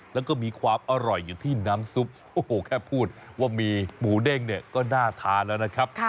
แล้วก็มีความอร่อยอยู่ที่น้ำซุปโอ้โหแค่พูดว่ามีหมูเด้งเนี่ยก็น่าทานแล้วนะครับ